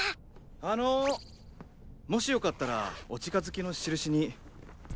あのもしよかったらお近づきのしるしに。